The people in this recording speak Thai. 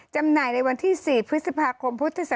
จำหน่ายในวันที่๔พฤษภาคมพศ๒๕๖๒นี้ค่ะ